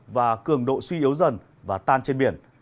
và cường độ suy yếu dần và tan trên biển